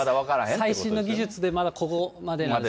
最新の技術でまだここまでなんです。